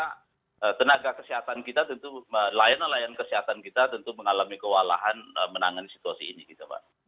karena tenaga kesehatan kita tentu layanan layanan kesehatan kita tentu mengalami kewalahan menangani situasi ini gitu pak